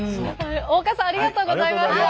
大岡さんありがとうございました。